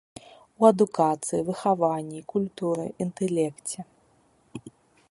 У адукацыі, выхаванні, культуры, інтэлекце.